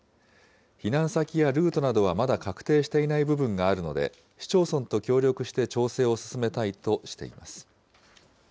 避難先やルートなどはまだ確定していない部分があるので、市町村と協力して調整を進めたいとしています。